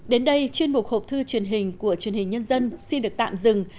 đến đây chuyên mục hộp thư truyền hình của truyền hình nhân dân xin được tạm dừng